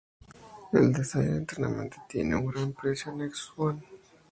El Desire internamente tiene un gran parecido al Nexus One.